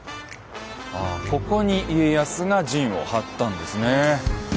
ああここに家康が陣を張ったんですね。